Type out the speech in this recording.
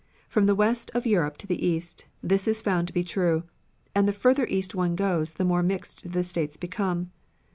From the west of Europe to the east, this is found to be true, and the farther east one goes the more mixed do the states become.